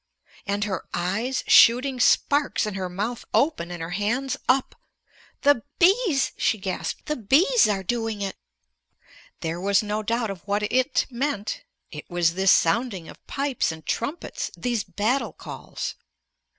And her eyes shooting sparks and her mouth open and her hands up. "The bees," she gasped, "the bees are doing it!" There was no doubt of what "it" meant. It was this sounding of pipes and trumpets; these battle calls.